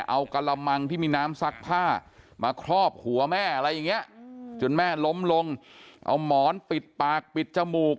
เอากระมังที่มีน้ำซักผ้ามาครอบหัวแม่อะไรอย่างเงี้ยจนแม่ล้มลงเอาหมอนปิดปากปิดจมูก